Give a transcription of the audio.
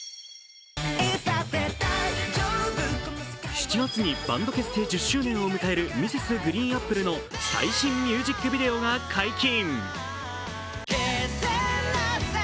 ７月にバンド結成１０周年を迎えるＭｒｓ．ＧＲＥＥＮＡＰＰＬＥの最新ミュージックビデオが解禁。